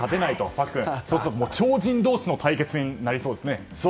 パックン超人同士の対決になりそうですね。